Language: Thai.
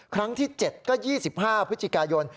ครั้งที่๗ก็๒๕พฤศจิกายน